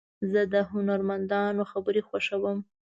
زه د هنرمندانو خبرې خوښوم.